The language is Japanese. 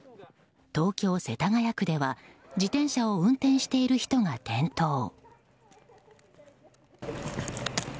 東京・世田谷区では自転車を運転している人が転倒。